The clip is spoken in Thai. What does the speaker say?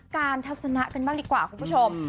การทัศนะกันบ้างดีกว่าครับคุณผู้ชม